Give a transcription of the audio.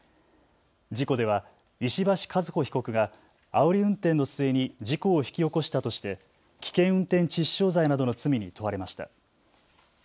事故では石橋和歩被告があおり運転の末に事故を引き起こしたとして危険運転致死傷罪などの罪に問われました。